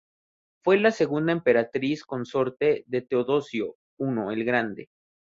Fue la segunda emperatriz consorte de Teodosio I el Grande.